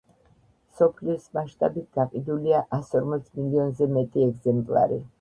მსოფლიოს მასშტაბით გაყიდულია ასორმოც მილიონზე მეტი ეგზემპლარი